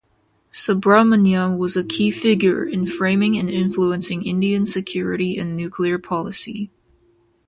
Subrahmanyam was a key figure in framing and influencing Indian security and nuclear policy.